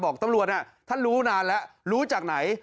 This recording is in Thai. บอกตำรวจท่านรู้นานแล้วรู้จากไหน